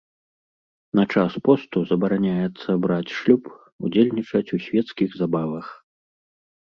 На час посту забараняецца браць шлюб, удзельнічаць у свецкіх забавах.